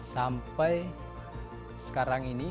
sampai sekarang ini